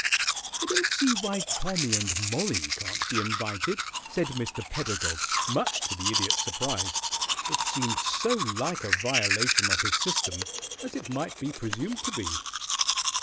"I don't see why Tommy and Mollie can't be invited," said Mr. Pedagog, much to the Idiot's surprise, it seemed so like a violation of his system, as it might be presumed to be.